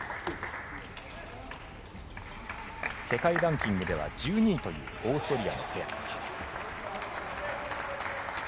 世界ランキングでは１２位というオーストリアのペア。